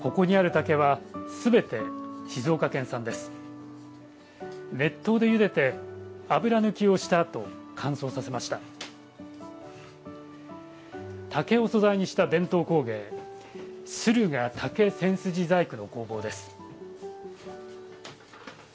竹を素材にした伝統工芸駿河竹千筋細工の工房です。